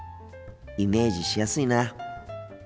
イメージしやすいな。